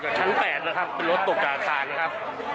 ตกจากชั้น๘นะครับรถตกจากอาคารนะครับ